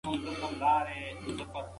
په مني کې د زعفرانو ګلونه غوړېږي.